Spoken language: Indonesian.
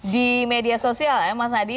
di media sosial ya mas adi